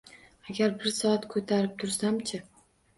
Agar bir soat ko`tarib tursam-chi